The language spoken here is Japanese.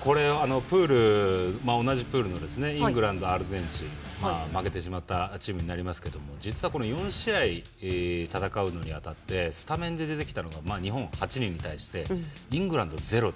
これ、同じプールのイングランドアルゼンチン、負けてしまったチームになりますけれども実は、この４試合戦うにあたってスタメンで出てきたのが日本が８人に対してイングランド、０ですよ。